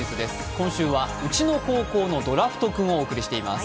今週は「ウチの学校のドラフトくん」をお送りしています。